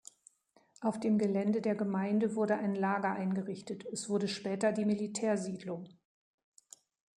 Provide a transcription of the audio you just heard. Auf dem Gelände der Gemeinde wurde ein Lager eingerichtet; es wurde später die Militärsiedlung.